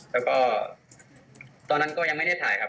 แล้วก็ตอนนั้นก็ยังไม่ได้ถ่ายครับ